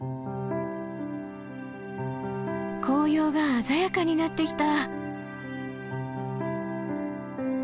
紅葉が鮮やかになってきた！